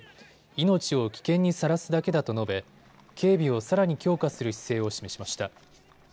命を危険にさらすだけだと述べ警備をさらに強化する姿勢を示しました。